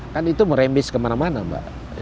kan itu meremis kemana mana mbak